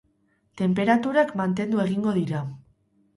Tenperaturak mantendu egingo dira.